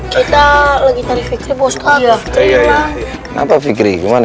kita lagi cari fikri bosko ya kenapa fikri gimana